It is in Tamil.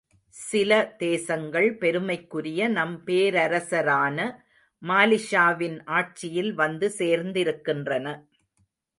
சில தேசங்கள், பெருமைக்குரிய நம் பேரரசரான மாலிக்ஷாவின் ஆட்சியில் வந்து சேர்ந்திருக்கின்றன.